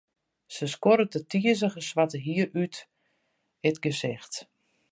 Se skoddet it tizige swarte hier út it gesicht.